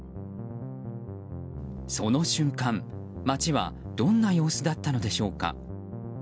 その瞬間、町はどんな様子だったのでしょうか。